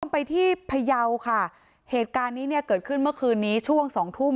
ไปที่พยาวค่ะเหตุการณ์นี้เนี่ยเกิดขึ้นเมื่อคืนนี้ช่วงสองทุ่ม